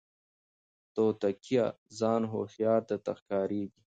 توتکیه ځان هوښیار درته ښکاریږي